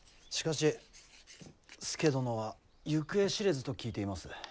しかし佐殿は行方知れずと聞いています。